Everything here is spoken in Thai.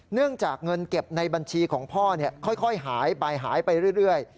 เนื่องจากเงินเก็บในบัญชีของพ่อค่อยหายไปหายไปเรื่อย